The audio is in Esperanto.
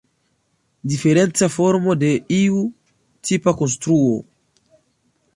Diferenca formo de iu tipa konstruo.